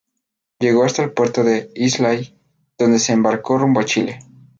Llegó hasta el puerto de Islay, donde se embarcó rumbo a Chile.